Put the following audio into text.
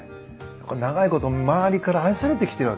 これ長いこと周りから愛されてきてるわけです。